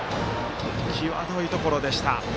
際どいところでした。